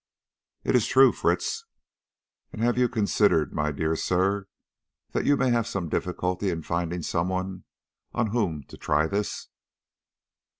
"It is true, Fritz." "And have you considered, my dear sir, that you may have some difficulty in finding some one on whom to try this?